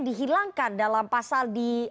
dihilangkan dalam pasal di